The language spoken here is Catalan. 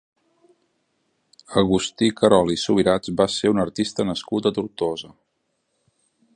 Agustí Querol i Subirats va ser un artista nascut a Tortosa.